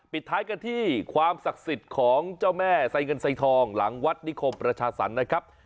ปิดท้ายกันที่ความศักดิ์สิทธิ์ของเจ้าแม่ไซเงินไซทองหลังวัดนิคมประชาสรรค์นะครับ